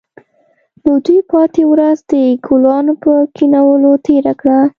نو دوی پاتې ورځ د ګلانو په کینولو تیره کړه